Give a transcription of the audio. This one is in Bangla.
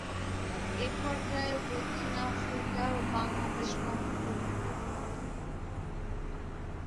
এ পর্যায়ে দক্ষিণ আফ্রিকা ও বাংলাদেশ গমন করেন।